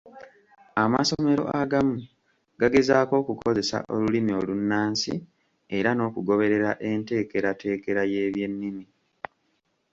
Amasomero agamu gageezaako okukozesa olulimi olunnansi era n’okugoberera enteekerateekera y’ebyennimi.